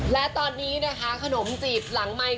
และตอนนี้นะคะขนมจีบหลังไมค์